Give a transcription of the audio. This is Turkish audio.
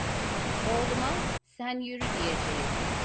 Oğluma, "Sen yürü!" diyeceğim.